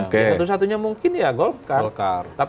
yang satu satunya mungkin ya golkar